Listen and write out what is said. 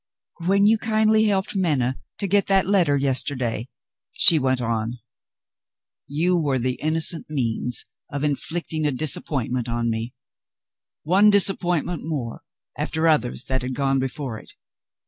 "When you kindly helped Minna to get that letter yesterday," she went on, "you were the innocent means of inflicting a disappointment on me one disappointment more, after others that had gone before it.